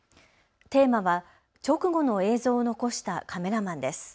テーマは直後の映像を残したカメラマンです。